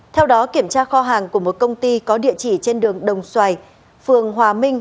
theo đó kiểm tra kho hàng của một công ty có địa chỉ trên đường đồng xoài phường hòa minh